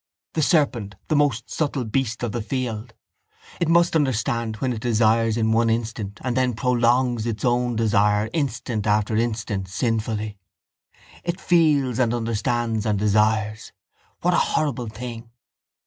The serpent, the most subtle beast of the field. It must understand when it desires in one instant and then prolongs its own desire instant after instant, sinfully. It feels and understands and desires. What a horrible thing!